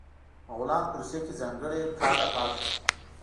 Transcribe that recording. مغولان په روسیه کې ځانګړي کاله پاتې شول.